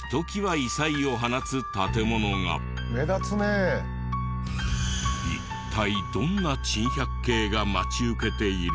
一体どんな珍百景が待ち受けているのか。